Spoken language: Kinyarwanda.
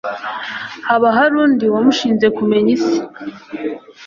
haba hari undi wamushinze kumenya isi